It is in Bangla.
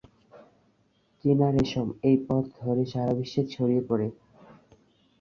চীনা রেশম এই পথ ধরে সারা বিশ্বে ছড়িয়ে পড়ে।